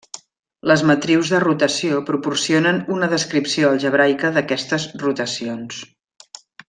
Les matrius de rotació proporcionen una descripció algebraica d'aquestes rotacions.